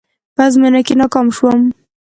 په ازموينه کې ناکام شوم.